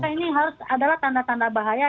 ini harus adalah tanda tanda bahaya